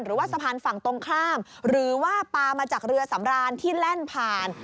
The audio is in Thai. หรือว่าสะพานฝั่งตรงข้ามหรือว่าปลามาจากเรือสำรานที่แล่นผ่าน